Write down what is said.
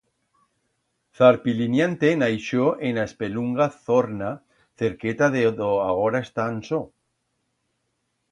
Zarpiliniante naixió en a espelunga Zorna, cerqueta de do agora está Ansó.